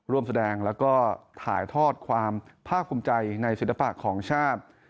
ร่วมแสดงแล้วก็ถ่ายทอดความภาคภูมิใจในศิลปะของชาติ